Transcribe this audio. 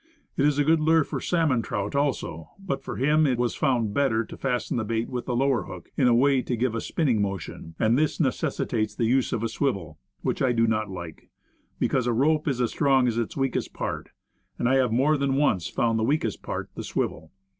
It is a good lure for sal mon trout also; but, for him it was found better to fasten the bait with the lower hook in a way to give it a spinning motion; and this necessitates the use of a swivel, which I do not like; because, "a rope is as strong as its weakest part;" and I have more than once found that weakest part the swivel.